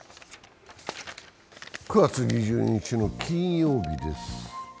９月２２日の金曜日です。